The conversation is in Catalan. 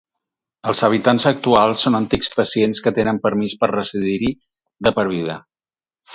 Els habitants actuals són antics pacients que tenen permís per residir-hi de per vida.